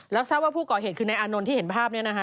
แล้วทราบว่าผู้ก่อเหตุคือนายอานนท์ที่เห็นภาพนี้นะคะ